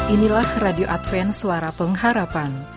inilah radio adven suara pengharapan